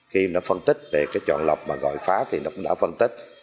khi nó phân tích về cái chọn lọc mà gọi phá thì nó cũng đã phân tích